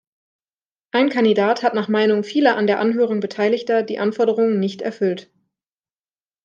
Ein Kandidat hat nach Meinung vieler an der Anhörung Beteiliger die Anforderungen nicht erfüllt.